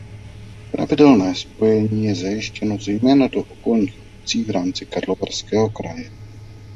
Pravidelné spojení je zajištěno zejména do okolních obcí v rámci Karlovarského kraje.